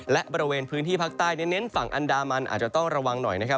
และบริเวณพื้นที่ภาคใต้เน้นฝั่งอันดามันอาจจะต้องระวังหน่อยนะครับ